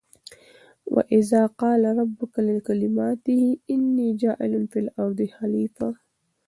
وَإِذْ قَالَ رَبُّكَ لِلْمَلٰٓئِكَةِ إِنِّى جَاعِلٌ فِى الْأَرْضِ خَلِيفَةً ۖ